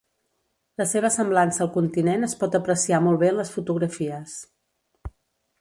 La seva semblança al continent es pot apreciar molt bé en les fotografies.